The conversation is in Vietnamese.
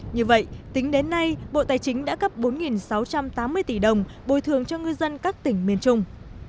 như vậy tính đến nay bộ tài chính đã cấp bốn sáu trăm tám mươi tỷ đồng bồi thường cho ngư dân các tỉnh miền trung